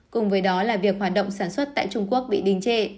cùng với đó là việc hoạt động sản xuất tại trung quốc bị đình trệ